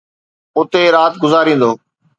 اتي رات گذاريندو.